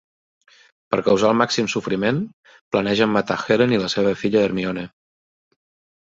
Per causar el màxim sofriment, planegen matar Helen i la seva filla, Hermione.